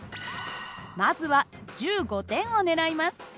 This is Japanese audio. まずは１５点を狙います。